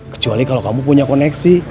kecuali kalau kamu punya koneksi